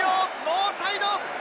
ノーサイド！